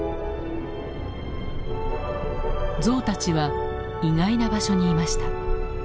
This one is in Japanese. ゾウたちは意外な場所にいました。